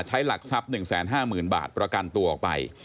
หลักทรัพย์๑๕๐๐๐บาทประกันตัวออกไป